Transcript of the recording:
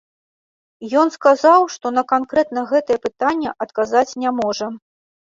Ён сказаў, што на канкрэтна гэтае пытанне адказаць не можа.